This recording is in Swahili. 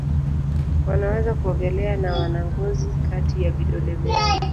Wanaweza kuogelea na wana ngozi kati ya vidole vyao.